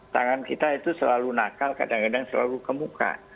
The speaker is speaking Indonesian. tangan kita itu selalu nakal kadang kadang selalu kemuka